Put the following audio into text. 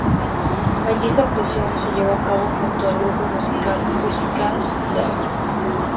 Allí su actuación, se llevó a cabo junto al grupo musical, Pussycat Dolls.